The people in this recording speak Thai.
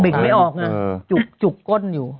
เบ็กไม่ออกนะจุกก้นอยู่